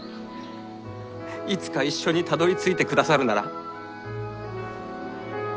いつか一緒にたどりついてくださるなら。